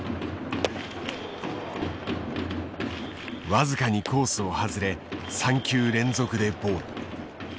僅かにコースを外れ３球連続でボール。